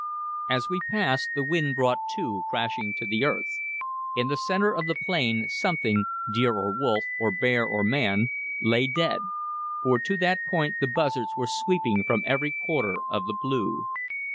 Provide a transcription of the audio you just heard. As we passed, the wind brought two crashing to the earth. In the centre of the plain something deer or wolf or bear or man lay dead, for to that point the buzzards were sweeping from every quarter of the blue.